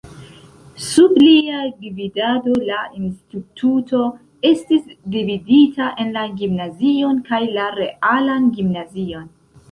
Sub lia gvidado la instituto estis dividita en la gimnazion kaj la realan gimnazion.